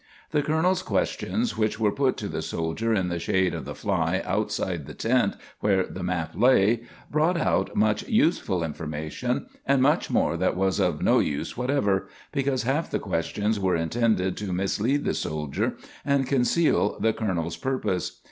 The colonel's questions, which were put to the soldier in the shade of the fly outside the tent where the map lay, brought out much useful information, and much more that was of no use whatever, because half the questions were intended to mislead the soldier and conceal the colonel's purpose.